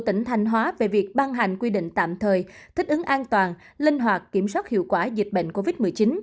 tỉnh thanh hóa về việc ban hành quy định tạm thời thích ứng an toàn linh hoạt kiểm soát hiệu quả dịch bệnh covid một mươi chín